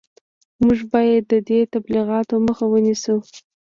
موږ باید د دې تبلیغاتو مخه ونیسو